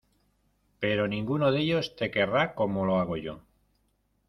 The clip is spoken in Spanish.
Pero ninguno de ellos te querrá como lo hago yo.